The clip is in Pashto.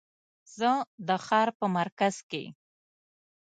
زه د ښار په مرکز کې